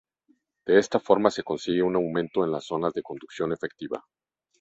De esta forma se consigue un aumento de la zona de conducción efectiva.